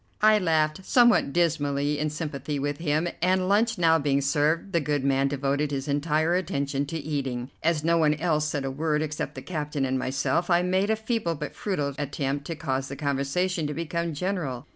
I laughed somewhat dismally in sympathy with him, and, lunch now being served, the good man devoted his entire attention to eating. As no one else said a word except the captain and myself, I made a feeble but futile attempt to cause the conversation to become general.